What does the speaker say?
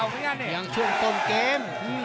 เรียงช่วงต้นเกม